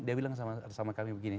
dia bilang sama kami begini